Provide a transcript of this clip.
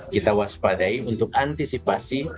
kita waspadai untuk antisipasi